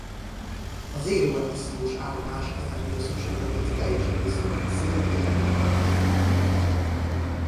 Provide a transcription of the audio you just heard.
A zéró emissziós állomás energiaszükségletét teljes egészében szél- és napenergia fogja fedezni.